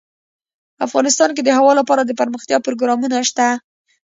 افغانستان کې د هوا لپاره دپرمختیا پروګرامونه شته.